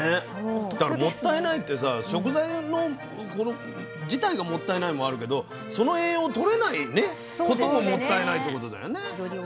もったいないって食材自体がもったいないもあるけどその栄養をとれないことももったいないってことだよね。